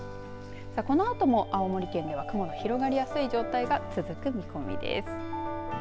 このあとも青森県では雲の広がりやすい状態が続く見込みです。